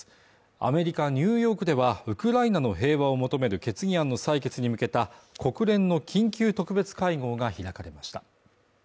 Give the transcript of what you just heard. アメリカ・ニューヨークでは、ウクライナの平和を求める決議案の採決に向けた国連の緊急特別会合が開かれました。